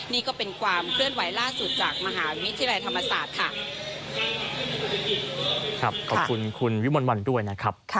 นี่ก็เป็นความเคลื่อนไหวล่าสุดจากมหาวิทยาลัยธรรมศาสตร์ค่ะ